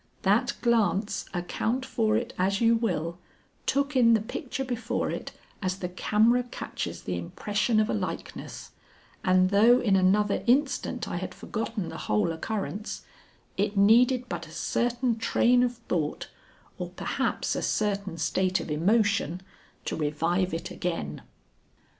That glance, account for it as you will, took in the picture before it as the camera catches the impression of a likeness, and though in another instant I had forgotten the whole occurrence, it needed but a certain train of thought or perhaps a certain state of emotion to revive it again.